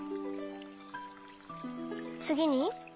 つぎに？